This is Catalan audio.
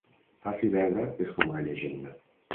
Faci veure que és com una llegenda.